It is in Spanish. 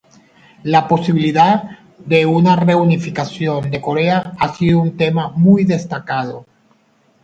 La posibilidad de una reunificación de Corea ha sido un tema muy destacado.